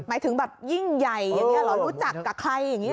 หมายถึงแบบยิ่งใหญ่อย่างนี้เหรอรู้จักกับใครอย่างนี้ห